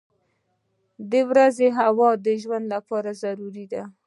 • د ورځې هوا د ژوند لپاره ضروري ده.